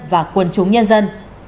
và quân chúng nhân dân